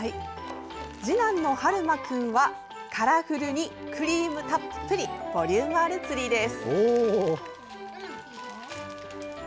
次男のはるま君はカラフルにクリームたっぷりボリュームあるツリーです。